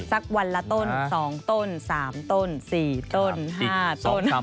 สักวันละต้น๒ต้น๓ต้น๔ต้น๕ต้น